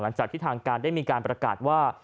หลังจากที่ทางการได้มีการประกาศว่า